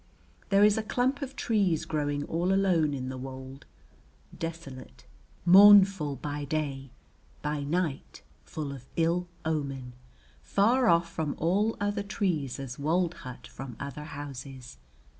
There is a clump of trees growing all alone in the wold, desolate, mournful, by day, by night full of ill omen, far off from all other trees as wold hut from other houses.